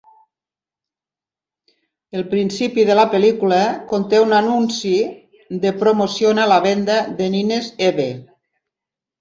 El principi de la pel·lícula conté un anunci de promociona la venda de nines Eve.